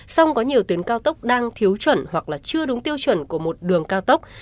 song có nhiều tuyến cao tốc đang thiếu chuẩn hoặc là chưa đúng tiêu chuẩn của một đường cao tốc